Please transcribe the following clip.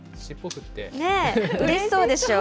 うれしそうでしょう。